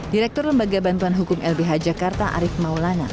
direktur lembaga bantuan hukum lbh jakarta arief maulana